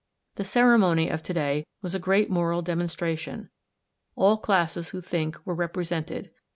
The ceremony of to day was a great moral demon stration. All classes who think were repre sented.